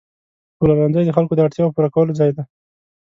پلورنځی د خلکو د اړتیاوو پوره کولو ځای دی.